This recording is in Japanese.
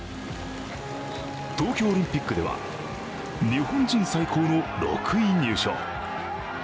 東京オリンピックでは、日本人最高の６位入賞。